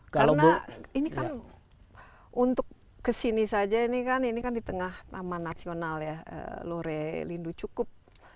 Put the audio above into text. karena ini kan untuk ke sini saja ini kan di tengah taman nasional ya lorelindu cukup